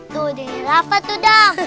tuh diri raffa tuh dam